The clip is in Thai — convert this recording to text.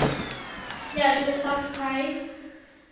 อย่าลืมซับสไครบ์